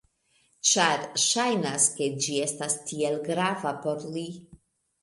Ĉar ŝajnas ke ĝi estas tiel grava por li.